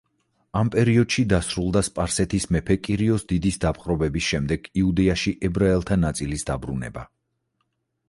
ამ პერიოდში დასრულდა სპარსეთის მეფის კიროს დიდის დაპყრობების შემდეგ იუდეაში ებრაელთა ნაწილის დაბრუნება.